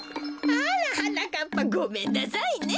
あらはなかっぱごめんなさいね。